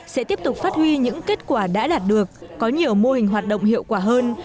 sẽ tiếp tục phát huy những kết quả đã đạt được có nhiều mô hình hoạt động hiệu quả hơn